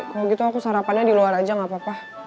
kalo gitu aku sarapannya diluar aja gapapa